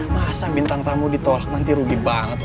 masa bintang tamu ditolak nanti rugi banget